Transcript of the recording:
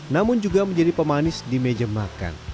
namun juga menjadi pemanis di meja makan